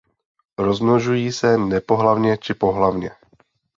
Rozmnožují se nepohlavně či pohlavně.